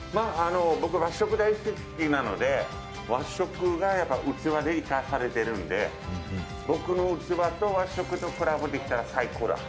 僕、和食が大好きなので和食は器で生かされてるんで僕の器と和食とコラボできたら最高だ。